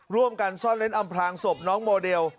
ร่วมกันซ่อนเล่นอำพลางศพน้องโมเดล